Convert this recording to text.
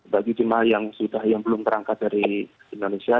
bagi jemaah yang belum terangkat dari indonesia